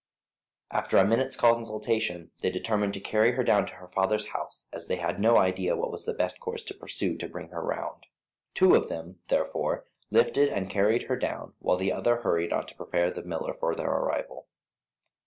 _"] After a minute's consultation they determined to carry her down to her father's house, as they had no idea what was the best course to pursue to bring her round. Two of them, therefore, lifted and carried her down, while the other hurried on to prepare the miller for their arrival.